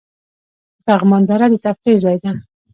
د پغمان دره د تفریح ځای دی